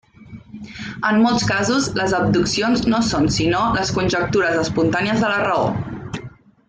En molts casos les abduccions no són sinó les conjectures espontànies de la raó.